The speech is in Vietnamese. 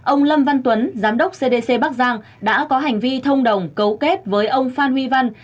ông lâm văn tuấn giám đốc cdc bắc giang đã có hành vi thông đồng cấu kết với ông phan huy văn